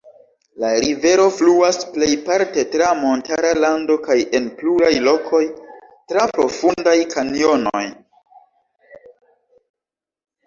La rivero fluas plejparte tra montara lando kaj en pluraj lokoj tra profundaj kanjonoj.